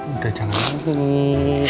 udah jangan nangis